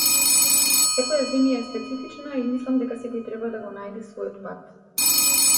Секоја земја е специфична и мислам дека секој треба да го најде својот пат.